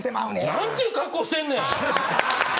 なんちゅう格好してんねん。